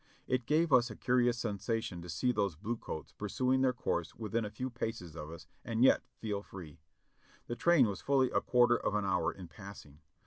It gave us a curious sensation to see those blue coats pursuing their course within a few paces of us, and yet feel free. The train was fully a quarter of an hour in passing.